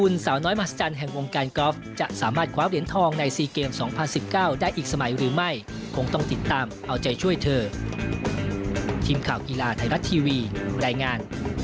แล้วก็จะเป็นสู้ได้เต็มที่เต็มร้อยค่ะ